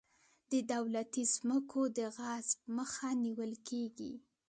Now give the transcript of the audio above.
د دولتي ځمکو د غصب مخه نیول کیږي.